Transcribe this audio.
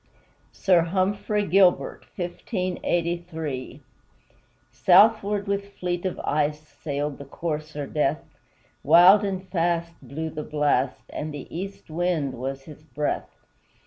SIR HUMPHREY GILBERT Southward with fleet of ice Sailed the corsair Death; Wild and fast blew the blast, And the east wind was his breath.